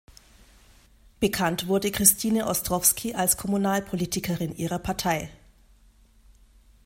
Bekannt wurde Christine Ostrowski als Kommunalpolitikerin ihrer Partei.